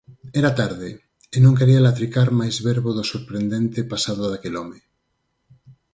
Era tarde, e non quería latricar máis verbo do sorprendente pasado daquel home.